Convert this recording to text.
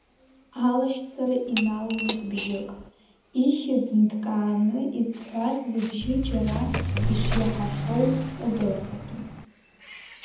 Алашьцара иналҩит бжьык, ихьӡ нҭкааны изҳәаз лыбжьы џьара ишиаҳахьоу удырратәы.